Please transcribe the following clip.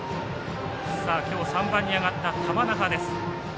今日３番に上がった玉那覇です。